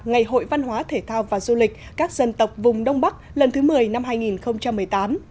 ngày hội văn hóa thể thao và du lịch các dân tộc vùng đông bắc lần thứ một mươi năm hai nghìn một mươi tám